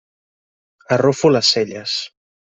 Arrufo les celles.